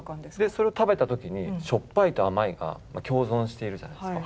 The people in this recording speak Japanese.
それを食べた時にしょっぱいと甘いが共存しているじゃないですか。